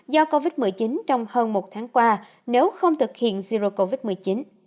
do covid một mươi chín trong hơn một tháng qua nếu không thực hiện diễn viên